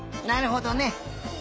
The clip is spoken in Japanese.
なるほどね！